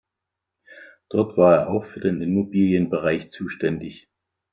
Dort war er auch für den Immobilienbereich zuständig.